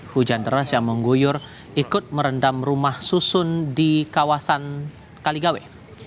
hujan deras yang mengguyur ikut merendam rumah susun di kawasan kaligawe